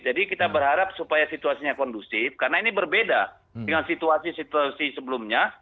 jadi kita berharap supaya situasinya kondusif karena ini berbeda dengan situasi situasi sebelumnya